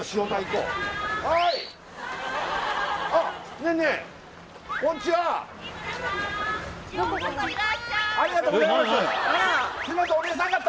こうあっありがとうございます